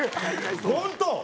本当？